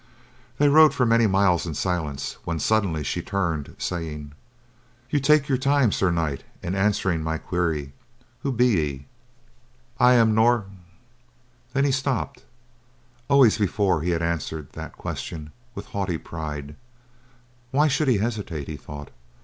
They rode for many miles in silence when suddenly she turned, saying: "You take your time, Sir Knight, in answering my query. Who be ye?" "I am Nor—" and then he stopped. Always before he had answered that question with haughty pride. Why should he hesitate, he thought.